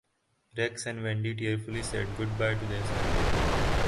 Rex and Wendi tearfully said goodbye to their son.